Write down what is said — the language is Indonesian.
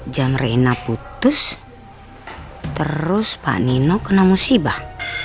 jam rena putus terus pak nino kena musibah